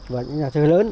và những nhà thơ lớn